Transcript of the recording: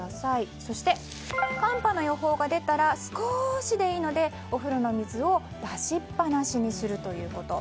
そして寒波の予報が出たら少しでいいのでお風呂の水を出しっぱなしにするということ。